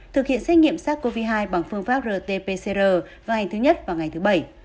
thực hiện xét nghiệm sars cov hai bằng phương pháp rt pcr vào ngày thứ nhất và ngày thứ bảy